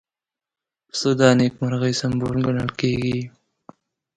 پسه د نېکمرغۍ سمبول ګڼل کېږي.